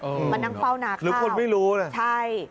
เออมันนั่งเฝ้านาข้าวหรือคนไม่รู้เลยใช่